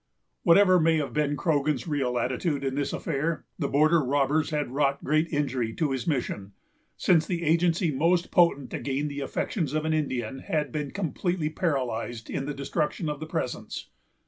Whatever may have been Croghan's real attitude in this affair, the border robbers had wrought great injury to his mission; since the agency most potent to gain the affections of an Indian had been completely paralyzed in the destruction of the presents.